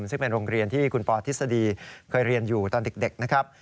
ซึ่งเป็นโรงเรียนที่คุณปอทฤษฎีเคยเรียนอยู่ตอนเด็กนะครับ